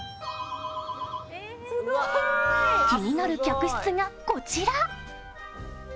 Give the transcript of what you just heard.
気になる客室がこちら。